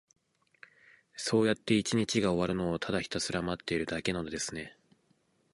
そうやって一日が終わるのを、ただひたすら待っているだけなのですね。